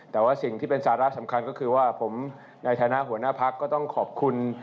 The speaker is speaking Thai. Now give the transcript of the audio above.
แต่ว่าสิ่งที่เป็นสาระสำคัญก็คือว่าผมในฐานะหัวหน้าพักก็ต้องขอบคุณ